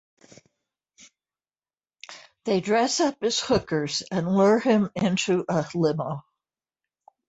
They dress up as hookers and lure him into a limo.